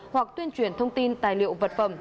hoặc tuyên truyền thông tin tài liệu vật phẩm